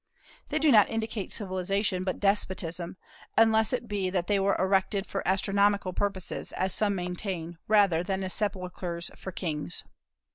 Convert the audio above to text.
They do not indicate civilization, but despotism, unless it be that they were erected for astronomical purposes, as some maintain, rather than as sepulchres for kings.